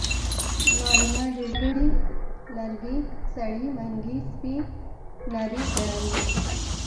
نارينه ډېرګړی ي لرګي سړي منګي سپي نري ګړندي